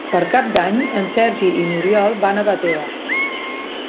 Per Cap d'Any en Sergi i n'Oriol van a Batea.